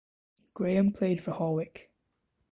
Graham played for Hawick.